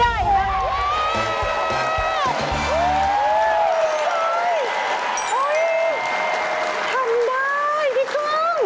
ทำได้พี่ก้อง